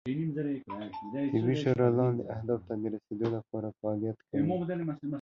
طبي شورا لاندې اهدافو ته رسیدو لپاره فعالیت کوي